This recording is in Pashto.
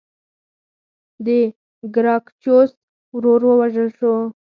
د ګراکچوس ورور ووژل شو.